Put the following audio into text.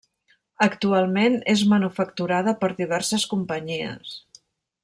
Actualment és manufacturada per diverses companyies.